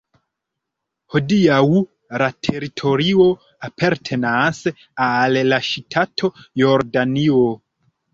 Hodiaŭ la teritorio apartenas al la ŝtato Jordanio.